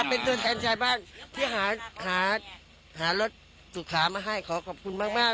เป็นตัวแทนชาวบ้านที่หารถสุขามาให้ขอขอบคุณมาก